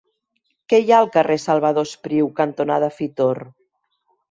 Què hi ha al carrer Salvador Espriu cantonada Fitor?